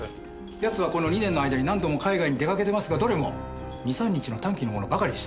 奴はこの２年の間に何度も海外に出かけてますがどれも２３日の短期のものばかりでした。